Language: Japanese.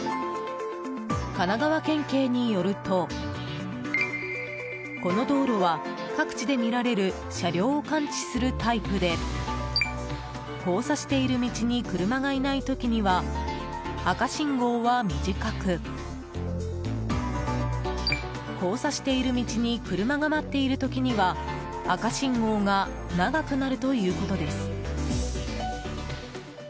神奈川県警によるとこの道路は各地で見られる車両を感知するタイプで交差している道に車がいない時には赤信号は短く交差している道に車が待っている時には赤信号が長くなるということです。